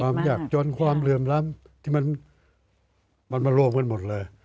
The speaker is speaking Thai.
ความยากจนความเหลื่อมล้ำที่มันมารวมกันหมดเลย